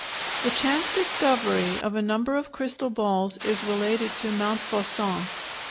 The chance discovery of a number of crystal balls is related by Montfaucon.